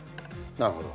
なるほど。